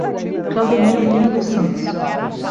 Claudenir Lima dos Santos